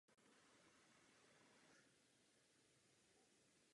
Tím tak zanikl její strategický význam a začala se rozpadat.